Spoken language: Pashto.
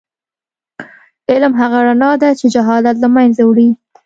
علم هغه رڼا ده چې جهالت له منځه وړي.